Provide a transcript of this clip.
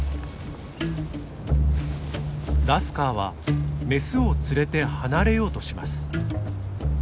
ラスカーはメスを連れて離れようとします。